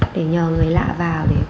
để nhờ người lạ vào để